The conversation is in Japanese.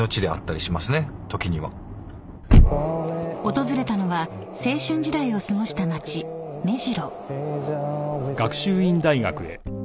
［訪れたのは青春時代を過ごした町目白］